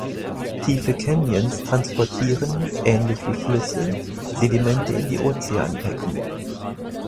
Tiefe Canyons transportieren, ähnlich wie Flüsse, Sedimente in die Ozeanbecken.